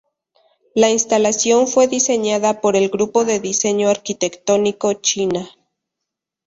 La instalación fue diseñada por el grupo de diseño arquitectónico China.